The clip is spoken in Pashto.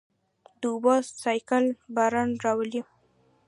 د اوبو سائیکل باران راولي.